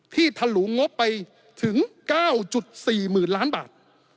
ที่ถลุงงบไปถึง๙๔หมื่นล้านบาท